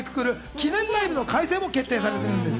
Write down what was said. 記念ライブの開催も決定されてるんです。